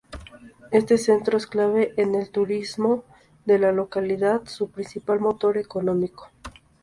Este centro es clave en el turismo de la localidad, su principal motor económico.